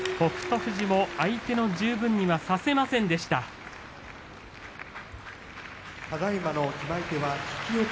富士も相手の十分にはさせませんでした。